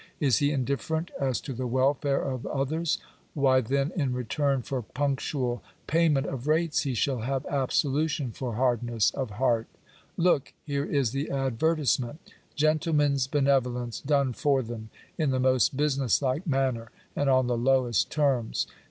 Is he indifferent as to the welfare of others ? why then in return for punctual payment of rates he shall have absolution for hardness of heart Look : here is the advertisement " Gentlemen's benevolence done for them, in the most business like manner, and on the lowest terms.